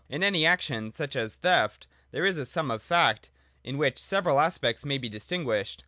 In any action, such as a theft, there is a sum of fact in which several aspects may be distin guished.